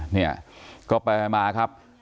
เนี่ยก็ไปมาครับ